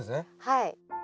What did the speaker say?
はい。